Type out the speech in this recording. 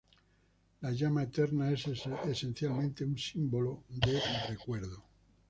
La llama eterna es esencialmente un símbolo de recuerdo.